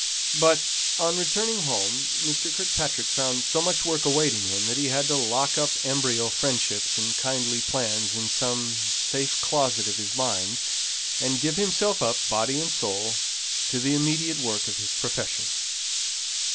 But, on returning home, Mr. Kirkpatrick found so much work awaiting him that he had to lock up embryo friendships and kindly plans in some safe closet of his mind, and give himself up, body and soul, to the immediate work of his profession.